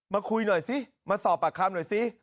มาคุยหน่อยสิมาสอบปากคำหน่อยสิ